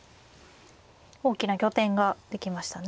大きな拠点ができましたね。